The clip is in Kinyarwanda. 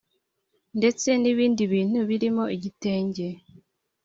Ndetse N Ibindi Bintu Birimo Igitenge